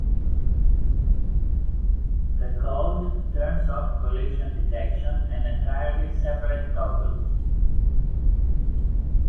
The code turns off collision detection, an entirely separate toggle.